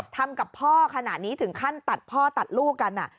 ทำกับพ่อขนาดนี้ถึงขั้นตัดพ่อตัดลูกกัน